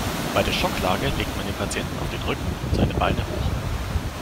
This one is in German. Bei der Schocklage legt man den Patienten auf den Rücken und seine Beine hoch.